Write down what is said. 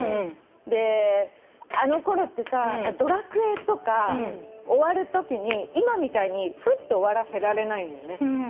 であのころってさ『ドラクエ』とか終わるときに今みたいにふって終わらせられないのよね。